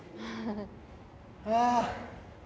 ああ。